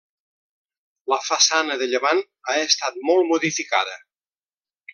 La façana de llevant ha estat molt modificada.